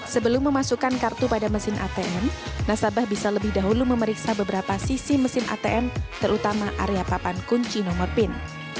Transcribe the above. sebelum memasukkan kartu pada mesin atm nasabah bisa lebih dahulu memeriksa beberapa sisi mesin atm terutama area papan kunci nomor pin